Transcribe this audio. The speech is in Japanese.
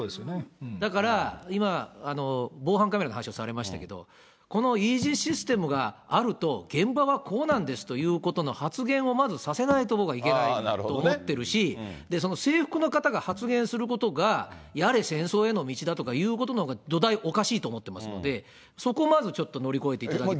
だから今、防犯カメラの話をされましたけれども、このイージーシステムがあると、現場はこうなんですよということの発言をまずさせないといけないと僕はいけないと思ってるし、その制服の方が発言することが、やれ、戦争への道だということのほうがどだいおかしいと思っていますので、そこをまずちょっと乗り越えていただきたい。